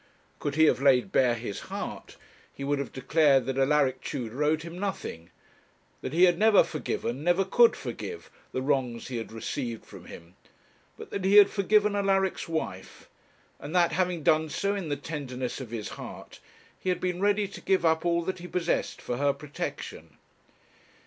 Could he have laid bare his heart, he would have declared that Alaric Tudor owed him nothing; that he had never forgiven, never could forgive, the wrongs he had received from him; but that he had forgiven Alaric's wife; and that having done so in the tenderness of his heart, he had been ready to give up all that he possessed for her protection.